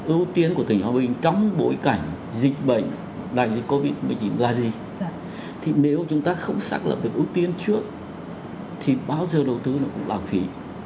ưu tiên của tỉnh hòa bình trong bối cảnh dịch bệnh đại dịch covid một mươi chín là gì thì nếu chúng ta không xác lập được ưu tiên trước thì bao giờ đầu tư nó cũng lãng phí